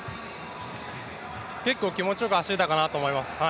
結構気持ちよく走れたかなと思います。